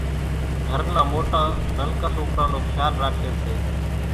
گھر نان موٽان ننڪان سوڪران نو کيال راکي سي